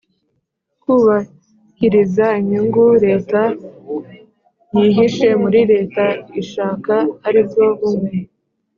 kubahiriza inyungu leta yihishe muri leta ishaka aribwo bumwe